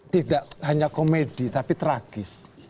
tidak hanya komedi tapi tragis